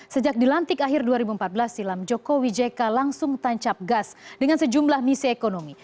sejak dilantik akhir dua ribu empat belas silam jokowi jk langsung tancap gas dengan sejumlah misi ekonomi